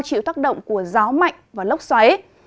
chịu tác động của gió mạnh và lốc xoáy